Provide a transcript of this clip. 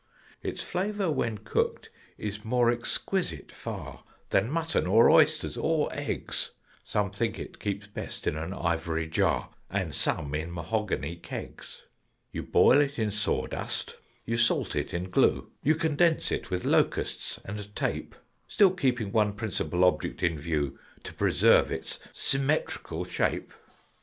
"Its flavour when cooked is more exquisite far Than mutton, or oysters, or eggs: (Some think it keeps best in an ivory jar, And some, in mahogany kegs:) "You boil it in sawdust: you salt it in glue: You condense it with locusts and tape: Still keeping one principal object in view To preserve its symmetrical shape."